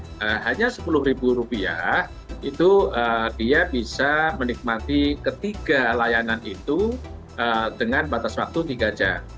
jadi kalau misalnya pak haris punya uang rp sepuluh itu dia bisa menikmati ketiga layanan itu dengan batas waktu tiga jam